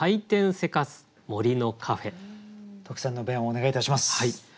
特選の弁をお願いいたします。